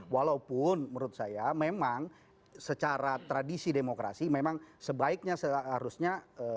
walaupun menurut saya memang secara tradisi demokrasi memang sebaiknya seharusnya